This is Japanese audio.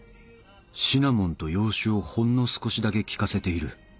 シナモンと洋酒をほんの少しだけ効かせている。